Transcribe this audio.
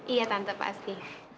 iya tante pasti